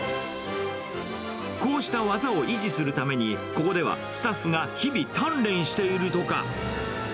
こうした技を維持するために、ここではスタッフが日々、鍛錬しているとか。